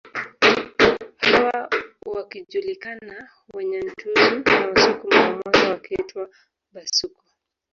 Hawa wakijulikana Wanyantuzu na Wasukuma wa Mwanza wakiitwa Bhasuku